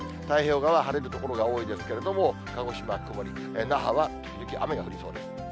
太平洋側は晴れる所が多いですけれども、鹿児島は曇り、那覇は雪や雨が降りそうです。